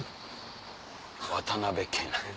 渡辺謙。